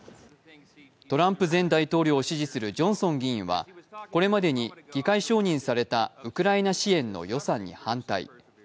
トランプ前大統領を支持するジョンソン議員はこれまでに議会承認されたウクライナ支援の予算に反対。